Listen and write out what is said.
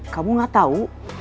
kamu gak tau